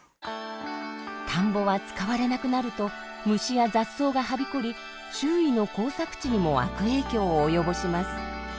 田んぼは使われなくなると虫や雑草がはびこり周囲の耕作地にも悪影響を及ぼします。